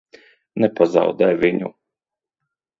Nepazaudē viņu!